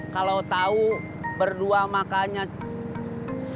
kalau tahu berdua akan berdua akan berdua akan berdua akan berdua